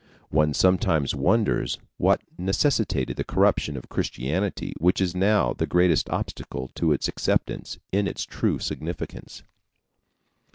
One sometimes wonders what necessitated the corruption of Christianity which is now the greatest obstacle to its acceptance in its true significance.